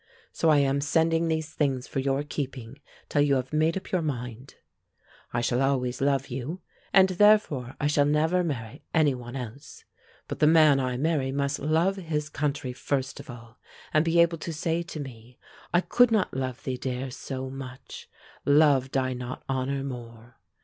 So I am sending these things for your keeping till you have made up your mind. "I shall always love you, and therefore I shall never marry any one else. But the man I marry must love his country first of all, and be able to say to me, "'I could not love thee, dear, so much, Loved I not honor more.'